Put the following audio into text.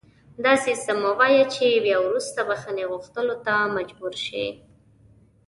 داسې څه مه وایه چې بیا وروسته بښنې غوښتلو ته مجبور شې